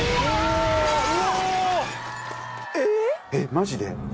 マジで！？